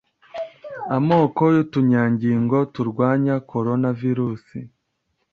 amoko y'utunyangingo turwanya Coronavirus